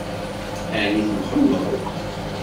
Ɛni temxelleḍ?